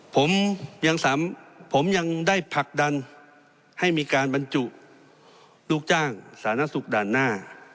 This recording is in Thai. ผมยังผมยังได้ผลักดันให้มีการบรรจุลูกจ้างสาธารณสุขด่านหน้า